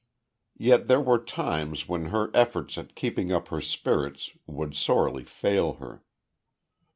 Yet there were times when her efforts at keeping up her spirits would sorely fail her.